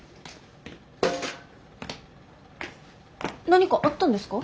何かあったんですか？